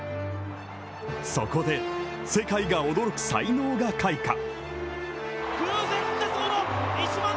そこで、世界が驚く才能が開花。